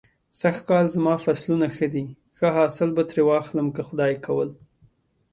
سږ کال زما فصلونه ښه دی. ښه حاصل به ترې واخلم که خدای کول.